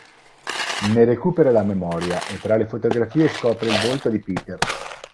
Ne recupera la memoria e tra le fotografie scopre il volto di Peter.